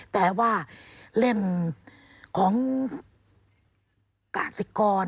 แต่ว่าเล่มของกาศิกร